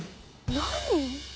何？